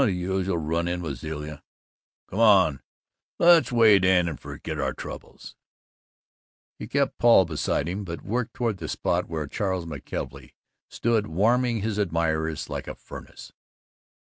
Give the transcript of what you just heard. "Oh, the usual. Run in with Zilla." "Come on! Let's wade in and forget our troubles." He kept Paul beside him, but worked toward the spot where Charles McKelvey stood warming his admirers like a furnace.